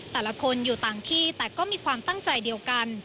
แต่ละคนอยู่ต่างที่แต่ก็มีความตั้งใจเดียวกัน